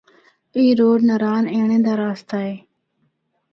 ایہی روڑ ناران اینڑا دا رستہ اے۔